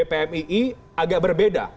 pmi agak berbeda